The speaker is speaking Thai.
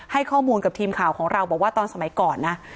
ให้ข้อมูลกับทีมข่าวของเราบอกว่าตอนสมัยก่อนนะ